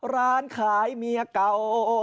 ร้านขายเมียเก่า